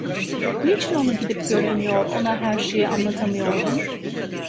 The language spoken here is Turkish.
Niçin onu gidip göremiyor, ona her şeyi anlatamıyordum?